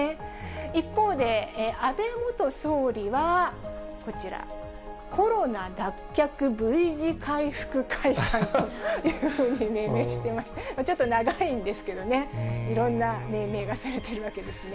一方で、安倍元総理はこちら、コロナ脱却Ｖ字回復解散というふうに命名していまして、ちょっと長いんですけれどもね、いろんな命名がされているわけですね。